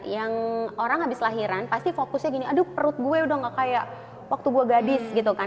yang orang habis lahiran pasti fokusnya gini aduh perut gue udah gak kayak waktu gue gadis gitu kan